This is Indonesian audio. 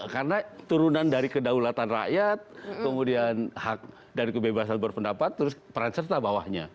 karena turunan dari kedaulatan rakyat kemudian hak dan kebebasan berpendapat terus peran serta bawahnya